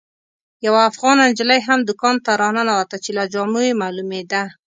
یوه افغانه نجلۍ هم دوکان ته راننوته چې له جامو یې معلومېده.